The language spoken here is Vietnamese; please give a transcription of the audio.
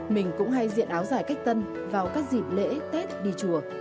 mình cũng hay diện áo dài cách tân vào các dịp lễ tết đi chùa